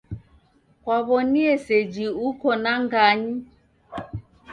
Kwaw'onie seji uko na nganyi?